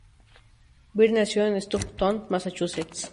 Bird nació en Stoughton, Massachusetts.